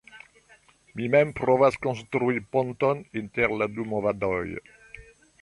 Mi mem provas konstrui ponton inter la du movadoj.